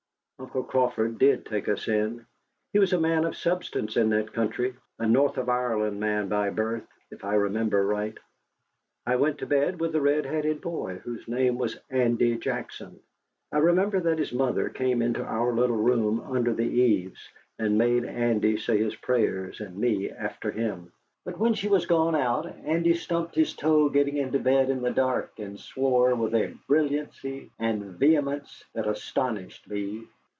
Uncle Crawford did take us in. He was a man of substance in that country, a north of Ireland man by birth, if I remember right. I went to bed with the red headed boy, whose name was Andy Jackson. I remember that his mother came into our little room under the eaves and made Andy say his prayers, and me after him. But when she was gone out, Andy stumped his toe getting into bed in the dark and swore with a brilliancy and vehemence that astonished me.